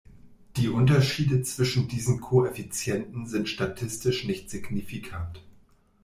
Die Unterschiede zwischen diesen Koeffizienten sind statistisch nicht signifikant.